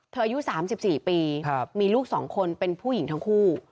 อายุ๓๔ปีมีลูก๒คนเป็นผู้หญิงทั้งคู่